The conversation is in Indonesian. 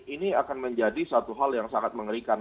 ini akan menjadi satu hal yang sangat mengerikan